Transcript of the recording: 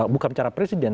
bukan cara presiden